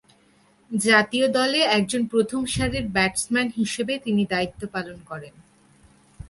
জাতীয় দলে একজন প্রথম সারির ব্যাটসম্যান হিসেবে তিনি দায়িত্ব পালন করেন।